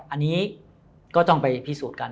อันนี้ก็ต้องไปพิสูจน์กัน